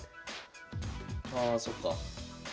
ああそっか。